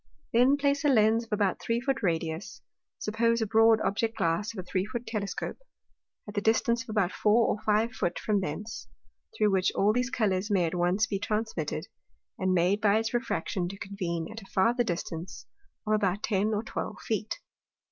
Then place a Lens of about three Foot Radius (suppose a broad Object glass of a three Foot Telescope,) at the distance of about four or five Foot from thence, through which all those Colours may at once be transmitted, and made by its Refraction to convene at a farther distance of about ten or twelve Feet.